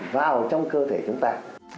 vào trong cơ thể chúng ta